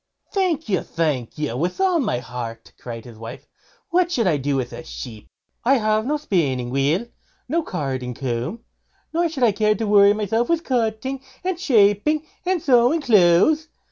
"Thank you! thank you! with all my heart", cried his wife; "what should I do with a sheep? I have no spinning wheel, nor carding comb, nor should I care to worry myself with cutting, and shaping, and sewing clothes.